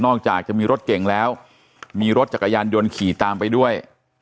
จากจะมีรถเก่งแล้วมีรถจักรยานยนต์ขี่ตามไปด้วย